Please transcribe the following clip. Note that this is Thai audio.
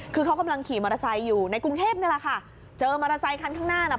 คือเขากำลังขี่มอเตอร์ไซค์อยู่ในกรุงเทพนี่แหละค่ะเจอมอเตอร์ไซคันข้างหน้าน่ะ